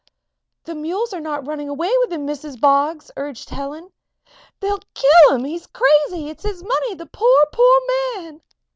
"The mules are not running away with him, Mrs. Boggs," urged Helen. "They'll kill him! He's crazy! It's his money the poor, poor man!"